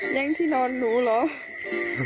ยังที่นอนหนูเหรอ